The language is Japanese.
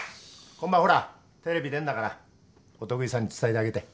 今晩ほらテレビ出んだからお得意さんに伝えてあげて。